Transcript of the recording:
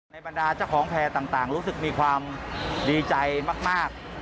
บรรดาเจ้าของแพร่ต่างรู้สึกมีความดีใจมาก